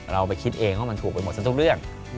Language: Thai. เราไปคิดเองว่ามันถูกไปหมดซะทุกเรื่อง